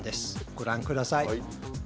ご覧ください。